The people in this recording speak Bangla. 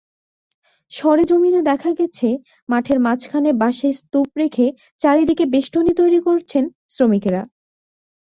সরেজমিনে দেখা গেছে, মাঠের মাঝখানে বাঁশের স্তূপ রেখে চারদিকে বেষ্টনী তৈরি করছেন শ্রমিকেরা।